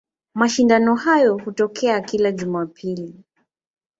Mashindano hayo hutokea kila Jumapili.